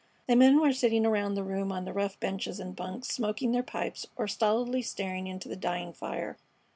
The men were sitting around the room on the rough benches and bunks, smoking their pipes or stolidly staring into the dying fire.